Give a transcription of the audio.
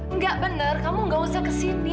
enggak benar kamu gak usah kesini